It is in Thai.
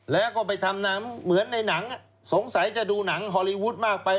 แล้วก็ไปทำหนังเหมือนในหนังสงสัยจะดูหนังฮอลลีวูดมากไป